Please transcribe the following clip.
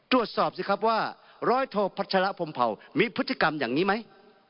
ตรวจสอบสิครับว่าร้อยโทพัชระพรมเผามีพฤติกรรมอย่างนี้ไหม